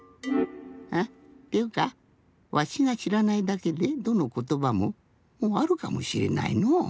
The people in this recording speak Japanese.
あっっていうかわしがしらないだけでどのことばももうあるかもしれないのう。